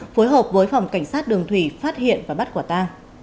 phối hợp với phòng cảnh sát đường thủy phát hiện và bắt quả ta